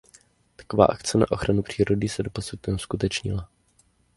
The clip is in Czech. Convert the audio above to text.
Takováto akce na ochranu přírody se doposud neuskutečnila.